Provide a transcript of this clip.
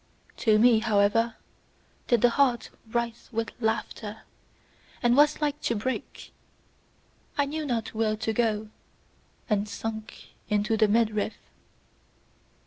To me, however, did the heart writhe with laughter, and was like to break; it knew not where to go, and sunk into the midriff.